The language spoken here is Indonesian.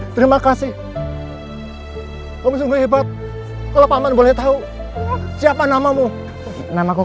terima kasih kamu sungguh hebat kalau paman boleh tahu siapa namamu nama kau